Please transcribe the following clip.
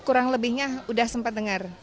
kurang lebihnya sudah sempat dengar